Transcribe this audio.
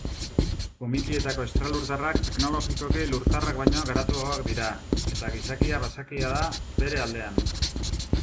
Komikietako estralurtarrak teknologikoki lurtarrak baino garatuagoak dira, eta gizakia basatia da bere aldean.